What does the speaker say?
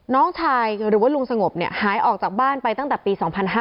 น้องชายหรือว่าลุงสงบหายออกจากบ้านไปตั้งแต่ปี๒๕๕๙